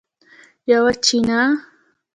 یوه چینه